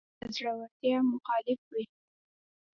به د زړورتیا مخالف وای